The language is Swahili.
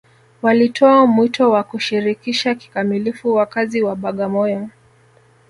walitoa mwito wa kushirikisha kikamilifu wakazi wa bagamoyo